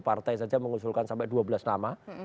partai saja mengusulkan sampai dua belas nama